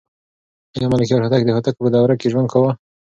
آیا ملکیار هوتک د هوتکو په دوره کې ژوند کاوه؟